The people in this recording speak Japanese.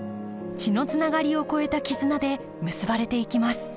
血のつながりを超えた絆で結ばれていきます